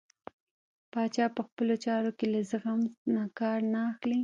پاچا په خپلو چارو کې له زغم نه کار نه اخلي .